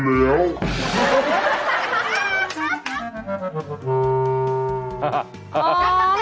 ก็เพิ่งเอาไว้แล้ว